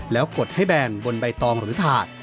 แล้วกดให้แบนบนใบตองหรือถาด